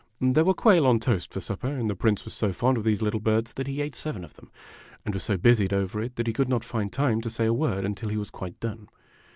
There were quail on^toast for supper, and the Prince was so fond of these little birds that he ate seven of them, and was so busied over it that he could not find time to say a word until he was quite done.